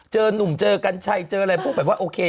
เจอนุ่มเจอกันชัยเจออะไรพูดแป๊ปไป